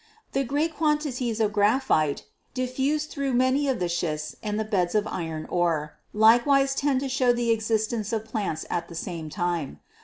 The great quantities of graphite diffused through many of the schists and the beds of iron ore likewise tend to show the existence of plants at the same time.